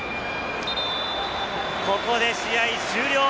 ここで試合終了。